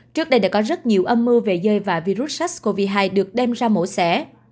trước đây đã có rất nhiều âm mưu về rơi và virus sars cov hai được đem ra mổ xẻ